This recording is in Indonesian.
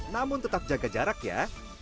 namun tetap jaga jarak ya